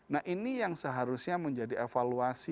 nah ini yang seharusnya menjadi evaluasi